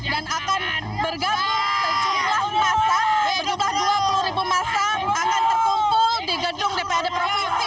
dan akan bergabung sejumlah masa sejumlah dua puluh masa akan terkumpul di gedung dprd provinsi